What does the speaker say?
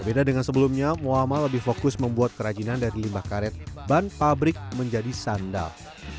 berbeda dengan sebelumnya muhammad lebih fokus membuat kerajinan dari limba karet ban pabrik menjadi sandal